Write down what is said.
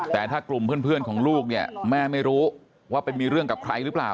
แต่ถ้ากลุ่มเพื่อนของลูกเนี่ยแม่ไม่รู้ว่าไปมีเรื่องกับใครหรือเปล่า